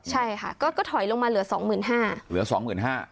ใช่ค่ะก็ก็ถอยลงมาเหลือสองหมื่นห้าเหลือสองหมื่นห้า